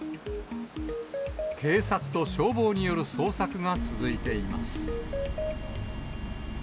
警察と消防による捜索が続いています。